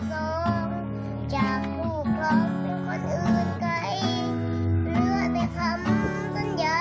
คุณมีอีกอย่างว่าพันทรายความรักของสองคนใด